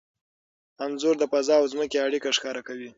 انځور د فضا او ځمکې اړیکه ښکاره کوي.